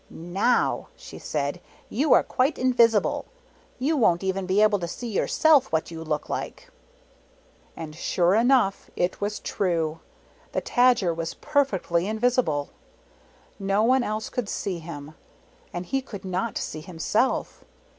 " Now," she said, " you are quite invisible. You won't even be able to see yourself what you look like." And sure enough, it was true; the Tajer was perfectly invisible. No one else could see him, and he could not see himself.